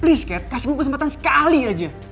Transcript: please kat kasih gue kesempatan sekali aja